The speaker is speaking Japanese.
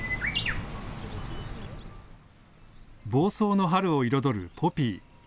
房総の春を彩るポピー。